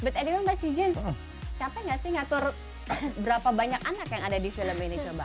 but animal mas yujin capek gak sih ngatur berapa banyak anak yang ada di film ini coba